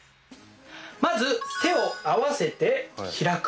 まず手を合わせて開く。